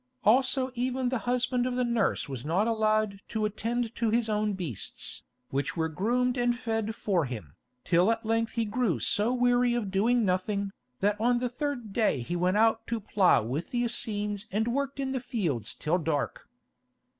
Also even the husband of the nurse was not allowed to attend to his own beasts, which were groomed and fed for him, till at length he grew so weary of doing nothing, that on the third day he went out to plough with the Essenes and worked in the fields till dark.